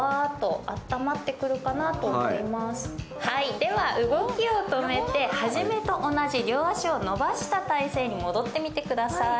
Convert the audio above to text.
では動きを止めて始めと同じ両足を伸ばした体勢に戻ってみてください。